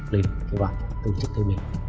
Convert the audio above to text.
lên theo bạn tổ chức theo mình